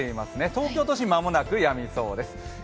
東京都心は間もなくやみそうですね。